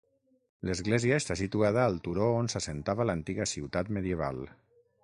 L'església està situada al turó on s'assentava l'antiga ciutat medieval.